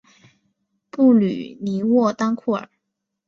布吕尼沃当库尔。